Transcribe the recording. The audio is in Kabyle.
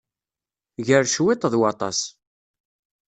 Gar cwiṭ, d waṭas.